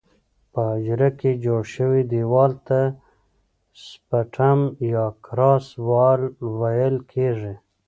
په حجره کې جوړ شوي دیوال ته سپټم یا کراس وال ویل کیږي.